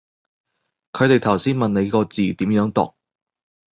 佢哋頭先問你個字點樣讀